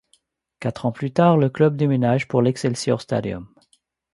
Quatre ans plus tard, le club déménage pour l'Excelsior Stadium.